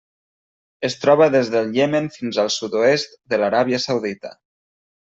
Es troba des del Iemen fins al sud-oest de l'Aràbia Saudita.